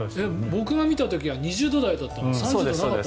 僕が見た時は２０度台だった。